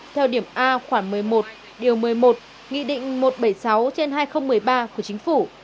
theo điểm a khoảng một mươi một điều một mươi một nghị định một trăm bảy mươi sáu trên hai nghìn một mươi ba của chính phủ